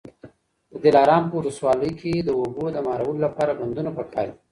د دلارام په ولسوالۍ کي د اوبو د مهارولو لپاره بندونه پکار دي.